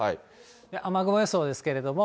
雨雲予想ですけれども。